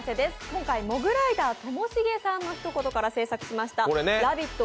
今回、モグライダーのともしげさんのひと言から製作した「ラヴィット！」